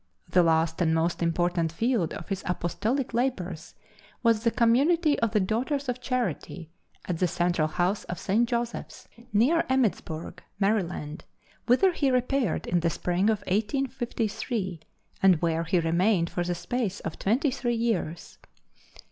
The last and most important field of his apostolic labors was the Community of the Daughters of Charity, at the Central House of St. Joseph's, near Emmittsburg, Md., whither he repaired in the spring of 1853, and where he remained for the space of twenty three years.